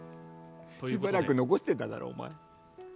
しばらく残してただろ、お前。